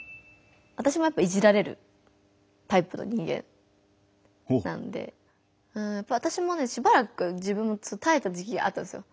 わたしもやっぱりいじられるタイプの人間なんでわたしもねしばらくたえた時期があったんですよ。